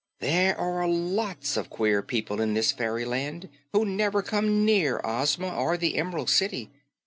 "There are lots of queer people in this fairyland who never come near Ozma or the Em'rald City.